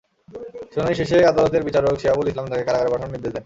শুনানি শেষে আদালতের বিচারক শিহাবুল ইসলাম তাঁকে কারাগারে পাঠানোর নির্দেশ দেন।